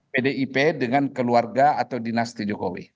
pdip dengan keluarga atau dinasti jokowi